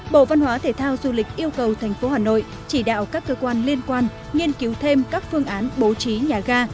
bộ văn hóa thể thao du lịch yêu cầu thành phố hà nội chỉ đạo các cơ quan liên quan nghiên cứu thêm các phương án bố trí nhà ga